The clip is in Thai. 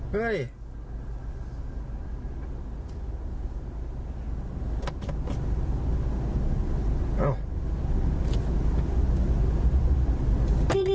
นอะไรวะ